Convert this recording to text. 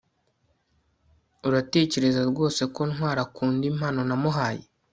uratekereza rwose ko ntwali akunda impano namuhaye